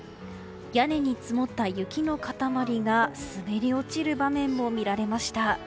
屋根に積もった雪の塊が滑り落ちる場面も見られました。